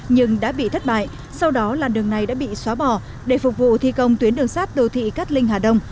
nhưng đã bị thất bại sau đó làn đường này đã bị xóa bỏ để phục vụ thi công tuyến đường sát đô thị cát linh hà đông